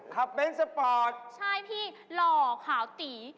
เบ้นสปอร์ตใช่พี่หล่อขาวตี